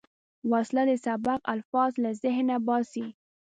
وسله د سبق الفاظ له ذهنه باسي